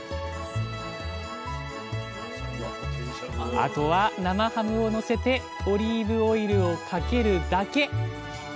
あとは生ハムをのせてオリーブオイルをかけるだけ。